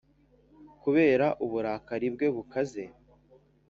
Kubera uburakari bwe bukaze